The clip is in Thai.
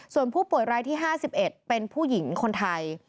ส่วนผู้ป่วยรายที่๕๑เป็นผู้หญิงคนไทย